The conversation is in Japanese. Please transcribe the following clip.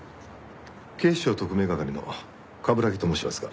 警視庁特命係の冠城と申しますが。